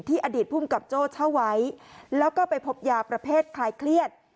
อดีตภูมิกับโจ้เช่าไว้แล้วก็ไปพบยาประเภทคลายเครียด